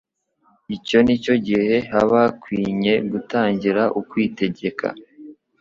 Icyo nicyo gihe haba hakwinye gutangira ukwitegeka.